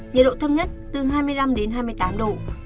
nhiệt độ thấp nhất từ hai mươi năm đến hai mươi tám độ